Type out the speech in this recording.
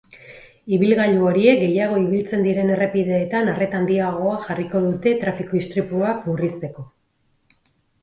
Ibilgailu horiek gehiago ibiltzen diren errepideetan arreta handiagoa jarriko dute trafiko istripuak murrizteko.